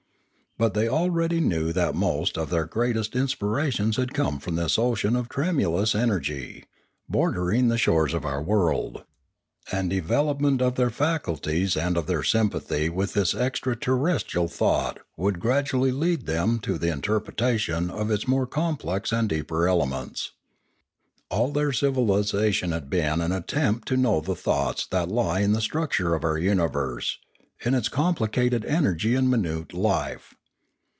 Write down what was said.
But they already knew that most of their greatest inspirations had come from this ocean of tremulous energy, bordering the shores of our world; and development of their faculties 482 Limanora and of their sympathy with this extra terrestrial thought would gradually lead them to the interpretation of its more complex and deeper elements. All their civilisa tion had been an attempt to know the thoughts that lie in the structure of our universe, in its complicated energy and minute life.